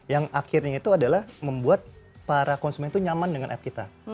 yang akhirnya itu adalah membuat para konsumen itu nyaman dengan app kita